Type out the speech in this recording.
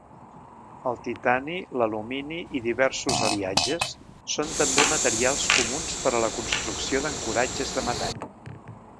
El titani, l'alumini i diversos aliatges són també materials comuns per a la construcció d'ancoratges de metall.